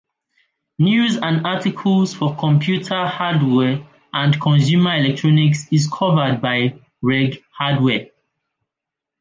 News and articles for computer hardware and consumer electronics is covered by "Reg Hardware".